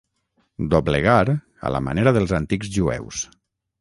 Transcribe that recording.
Doblegar a la manera dels antics jueus.